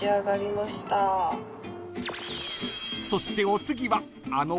［そしてお次はあの］